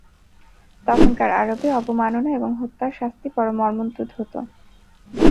তখনকার আরবে অবমাননা এবং হত্যার শাস্তি বড় মর্মন্তুদ হত।